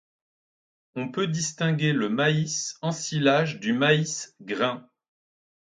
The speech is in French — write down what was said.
On peut distinguer le maïs ensilage du maïs grain.